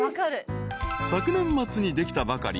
［昨年末にできたばかり。